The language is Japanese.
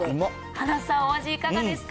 はなさん、お味いかがですか。